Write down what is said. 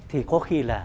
thì có khi là